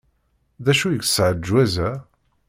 D acu yesɛa leǧwaz-a?